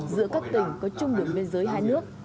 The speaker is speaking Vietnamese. giữa các tỉnh có chung đường biên giới hai nước